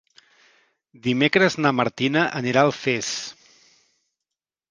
Dimecres na Martina anirà a Alfés.